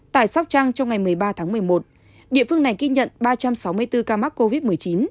tại sóc trăng trong ngày một mươi ba tháng một mươi một địa phương này ghi nhận ba trăm sáu mươi bốn ca mắc covid một mươi chín